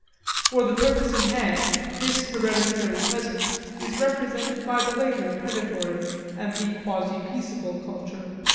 For the purpose in hand this hereditary present is represented by the later predatory and the quasi peaceable culture.